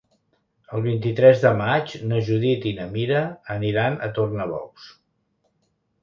El vint-i-tres de maig na Judit i na Mira aniran a Tornabous.